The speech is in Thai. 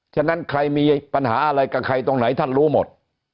ฉะนั้นใครมีปัญหาอะไรกับใครตรงไหนท่านรู้หมด